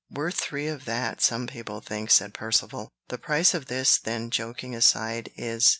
"Worth three of that, some people think," said Percivale. "The price of this, then, joking aside, is